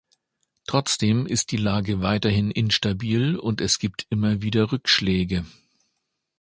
Trotzdem ist die Lage weiterhin instabil und es gibt immer wieder Rückschläge.